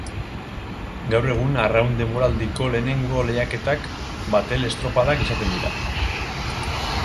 Gaur egun arraun denboraldiko lehenengo lehiaketak batel estropadak izaten dira.